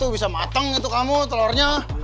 bisa mateng itu kamu telurnya